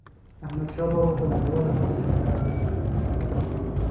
احمد شاه بابا په نړیواله کچه شهرت لري.